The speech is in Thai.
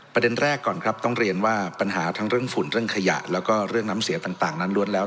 ประเด็นแรกก่อนครับต้องเรียนว่าปัญหาทั้งเรื่องฝุ่นเรื่องขยะแล้วก็เรื่องน้ำเสียต่างนั้นล้วนแล้ว